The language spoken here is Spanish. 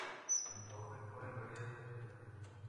El tour recorre varias ciudades".